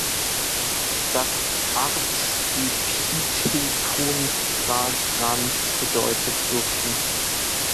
Das Artepitheton "fragrans" bedeutet ‚duftend‘.